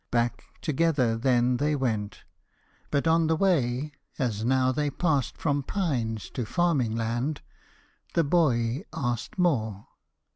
Back Together then they went. But on the way, As now they passed from pines to farming land, The boy asked more.